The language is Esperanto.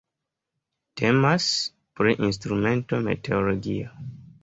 Temas pri instrumento meteologia.